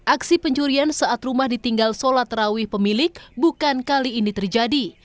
aksi pencurian saat rumah ditinggal sholat terawih pemilik bukan kali ini terjadi